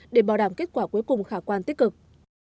để bảo đảm kết quả cuối cùng khả quan tích cực